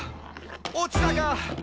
落ちたか！」